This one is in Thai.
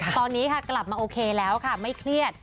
ตอนนี้ค่ะกลับมาโอเคแล้วค่ะไม่เครียด